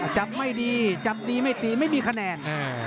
จำไม่ดีจำดีไม่ตีไม่มีคะแนน